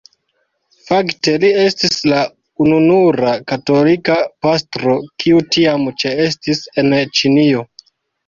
Fakte li estis la ununura katolika pastro kiu tiam ĉeestis en Ĉinio.